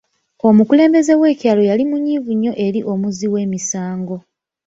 Omukulembeze w'ekyalo yali munyiivu nnyo eri omuzzi w'emisango.